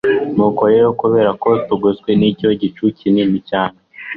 nuko rero kubera ko tugoswe n icyo gicu kinini cyane